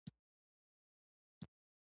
پلرنی کور یې په ساګزو کوڅه کې و.